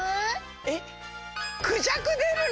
えっクジャクでるの！？